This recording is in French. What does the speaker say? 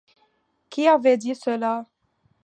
Qui avait dit cela ?